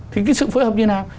thì cái sự phối hợp như thế nào